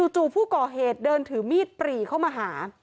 จู่ผู้ก่อเหตุเดินถือมีดปรีเข้ามาหา